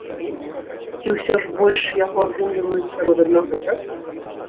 Ці ўсё ж больш яго атрымліваюць сярод аднагодак?